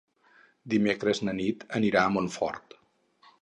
Dimecres na Nit anirà a Montfort.